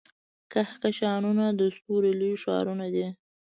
کهکشانونه د ستورو لوی ښارونه دي.